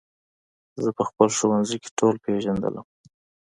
زه په خپل ښوونځي کې ټولو پېژندلم